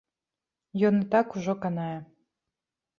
Ён і так ужо канае.